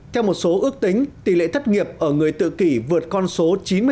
theo một số ước tính tỷ lệ thất nghiệp ở người tự kỷ vượt con số chín mươi